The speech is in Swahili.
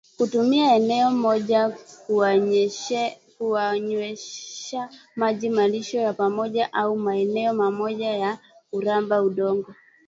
Kutumia eneo moja kuwanyweshwa maji malisho ya pamoja au maeneo mamoja ya kuramba udongo